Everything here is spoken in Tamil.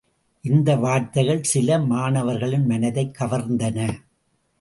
இந்த வார்த்தைகள் சில மாணவர்களின் மனதைக் கவர்ந்தன.